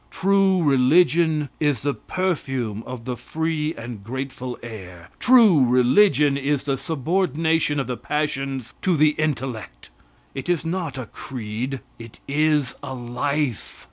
True religion is the perfume of the free and grateful air. True religion is the subordination of the passions to the intellect. It is not a creed; it is a life.